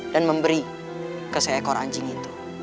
dan memberi ke seekor anjing itu